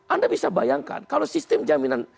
anda bisa bayangkan kalau sistem jaminan